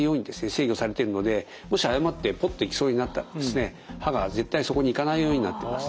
制御されてるのでもし誤ってポッといきそうになったら刃が絶対そこにいかないようになってます。